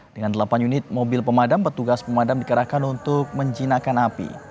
dengan delapan unit mobil pemadam petugas pemadam dikerahkan untuk menjinakkan api